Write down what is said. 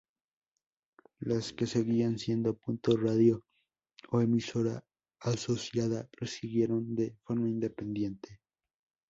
Las que seguían siendo Punto Radio o emisora asociada siguieron de forma independiente.